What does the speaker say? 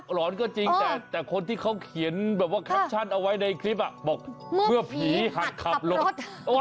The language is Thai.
หอนก็จริงแต่คนที่เขาเขียนแบบว่าแคปชั่นเอาไว้ในคลิปบอกเมื่อผีหักขับรถ